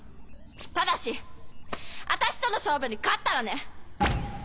ただし私との勝負に勝ったらね！